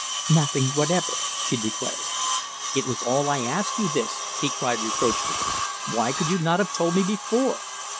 "Nothing whatever," she declared. "It was all I asked you, this," he cried reproachfully. "Why could you not have told me before?"